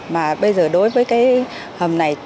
mà bây giờ đối với cái hầm này